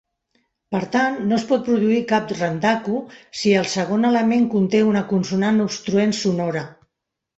Per tant, no es pot produir cap "rendaku" si el segon element conté una consonant obstruent sonora.